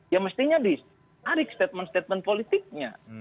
ya mestinya ditarik statement statement politiknya